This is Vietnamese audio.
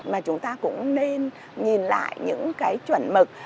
mà chúng ta cũng nên nhìn lại những cái chuẩn mực